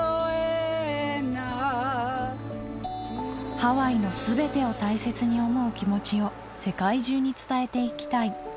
ハワイの全てを大切に思う気持ちを世界中に伝えていきたい